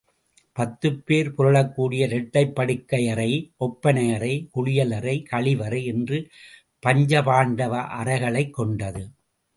பத்துபேர் புரளக்கூடிய இரட்டைப் படுக்கை அறை, ஒப்பனை அறை, குளியலறை, கழிவறை என்று பஞ்சபாண்டவ அறைகளைக் கொண்டது.